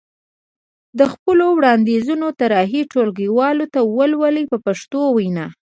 د خپلو وړاندیزونو طرحې ټولګیوالو ته ولولئ په پښتو وینا.